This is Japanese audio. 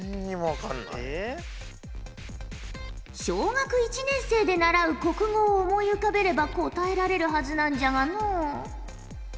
小学１年生で習う国語を思い浮かべれば答えられるはずなんじゃがの。